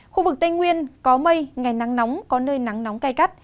khu vực tây nguyên có mây ngày nắng nóng có nơi nắng nóng cay gắt